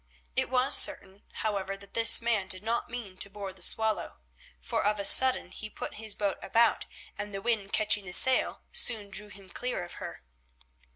It was certain, however, that this man did not mean to board the Swallow, for of a sudden he put his boat about, and the wind catching the sail soon drew him clear of her.